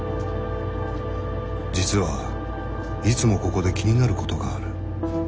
実はいつもここで気になることがある。